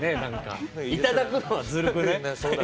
いただくのはずるくない？